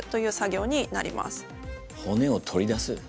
骨を取り出す？